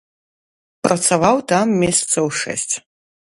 Працаваў там месяцаў шэсць.